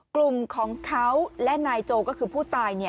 กลุ่มของเขาและนายโจก็คือผู้ตาย